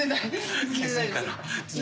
気付いたら。